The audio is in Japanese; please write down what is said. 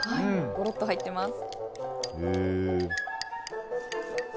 ゴロッと入っています。